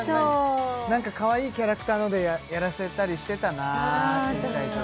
何かかわいいキャラクターのでやらせたりしてたなあ小さいときね